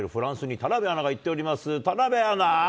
田辺アナ。